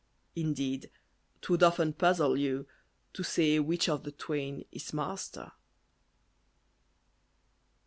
Indeed, 'twould often puzzle you To say which of the twain is master.